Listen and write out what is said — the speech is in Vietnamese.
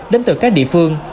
đến từ các địa phương